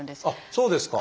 そうですか。